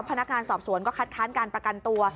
พนักงานสอบสวนก็คัดค้านการประกันตัว